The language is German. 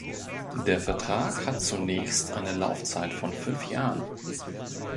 Der Vertrag hat zunächst eine Laufzeit von fünf Jahren.